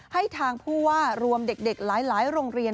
ให้ทางผู้ว่ารวมเด็กหลายโรงเรียน